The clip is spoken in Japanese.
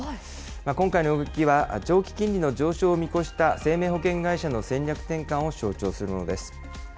今回の動きは、長期金利の上昇を見越した生命保険会社の戦略転換を象徴するものです。